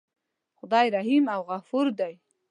خدای رحیم او غفور دی.